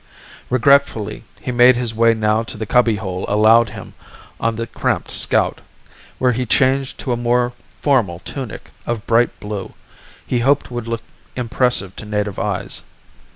Regretfully, he made his way now to the cubbyhole allowed him on the cramped scout, where he changed to a more formal tunic of a bright blue he hoped would look impressive to native eyes.